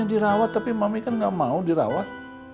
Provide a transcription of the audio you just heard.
dirawat tapi mami kan gak mau dirawat